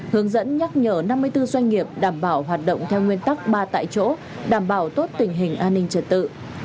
hướng dẫn nhắc nhở năm mươi bốn doanh nghiệp đảm bảo hoạt động theo nguyên tắc ba tại chỗ đảm bảo tốt tình hình an ninh trật tự